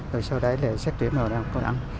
rồi sau đấy là xét tuyển vào đại học công đẳng